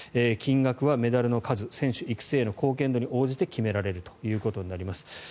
金額はメダルの数選手育成への貢献度に応じて決められるということになります。